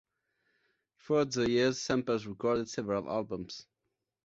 Throughout the years Samples recorded several albums.